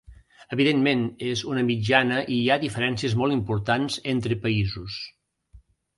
Evidentment, és una mitjana i hi ha diferències molt importants entre països.